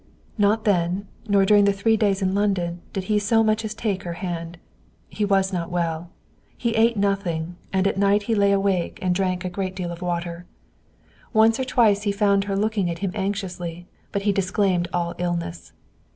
Not then, nor during the three days in London, did he so much as take her hand. He was not well. He ate nothing, and at night he lay awake and drank a great deal of water. Once or twice he found her looking at him anxiously, but he disclaimed all illness.